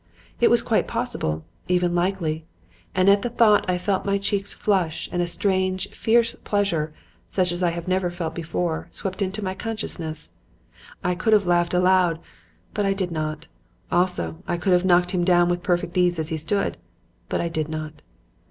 It was quite possible, even likely, and at the thought I felt my cheeks flush and a strange, fierce pleasure, such as I had never felt before, swept into my consciousness. I could have laughed aloud, but I did not. Also, I could have knocked him down with perfect ease as he stood, but I did not.